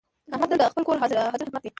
احمد تل د خپل کور حاضر خدمت دی.